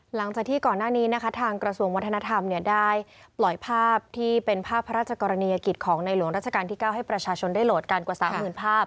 หลังจากที่ก่อนหน้านี้นะคะทางกระทรวงวัฒนธรรมได้ปล่อยภาพที่เป็นภาพพระราชกรณียกิจของในหลวงราชการที่๙ให้ประชาชนได้โหลดกันกว่า๓๐๐๐ภาพ